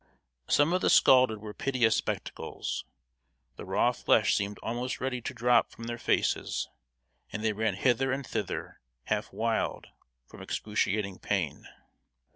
Some of the scalded were piteous spectacles. The raw flesh seemed almost ready to drop from their faces; and they ran hither and thither, half wild from excruciating pain.